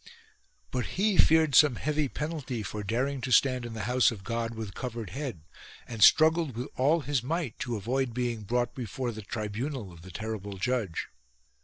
But he feared some heavy penalty for daring to stand in the house of God with covered head, and struggled with all his might to avoid being brought before the tribunal of the terrible judge.